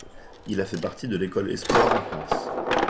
Il a fait partie de l'école espoir en France.